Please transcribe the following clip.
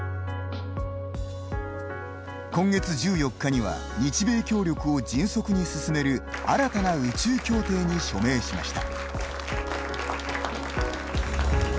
今月１４日には日米協力を迅速に進める新たな宇宙協定に署名しました。